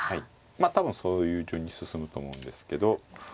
まあ多分そういう順に進むと思うんですけど。